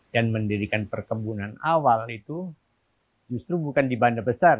yang diperebutkan penjajah